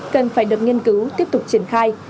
cần phải được nghiên cứu tiếp tục triển khai